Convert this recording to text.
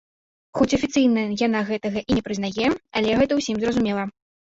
Хоць афіцыйна яна гэтага і не прызнае, але гэта ўсім зразумела.